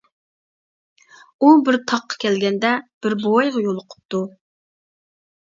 ئۇ بىر تاغقا كەلگەندە، بىر بوۋايغا يولۇقۇپتۇ.